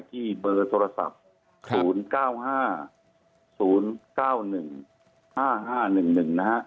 ที่เบอร์โทรศัพท์ศูนย์เก้าห้าศูนย์เก้าหนึ่งห้าห้าหนึ่งหนึ่งนะฮะ